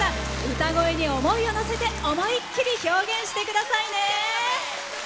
歌声に思いをのせて思いっきり表現してくださいね。